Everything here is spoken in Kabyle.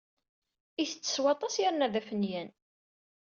Itett s waṭas yerna d afinyan.